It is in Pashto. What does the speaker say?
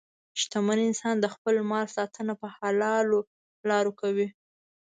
شتمن انسان د خپل مال ساتنه په حلالو لارو کوي.